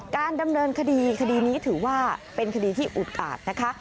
การดำเนินคดีคดีนี้ถือว่าเป็นคดีที่อุดอาจนะคะ